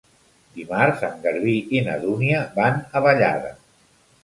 Dimarts en Garbí i na Dúnia van a Vallada.